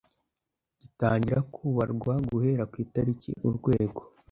gitangira kubarwa guhera ku itariki urwego